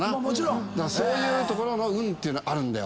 そういうところの運ってあるんだよ。